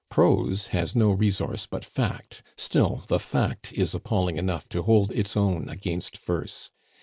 Prose has no resource but fact; still, the fact is appalling enough to hold its own against verse.